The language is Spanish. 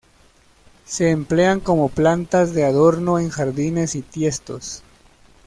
Se emplean como plantas de adorno en jardines y tiestos.